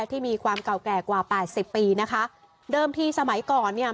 ที่มีความเก่าแก่กว่าแปดสิบปีนะคะเดิมที่สมัยก่อนเนี่ย